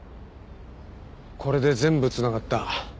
これで全部繋がった。